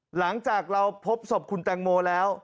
หลังจากเราพบศพคุณแตงโมแล้ว